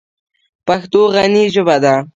پښتو غني ژبه ده.